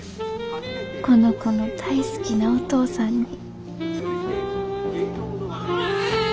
この子の大好きなお父さんに。